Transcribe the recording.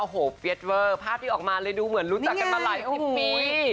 โอ้โหเปี๊ยดเวอร์ภาพที่ออกมาเลยดูเหมือนรู้จักกันมาหลายสิบปี